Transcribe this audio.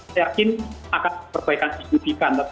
saya yakin akan perbaikan signifikan